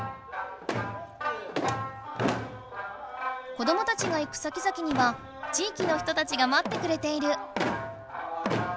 子どもたちが行くさきざきには地いきの人たちがまってくれている。